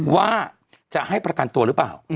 ว่าจะให้ประกันตัวหรือเปล่า